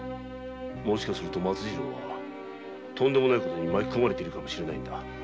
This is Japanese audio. もしかすると松次郎はとんでもない事に巻き込まれているかもしれん。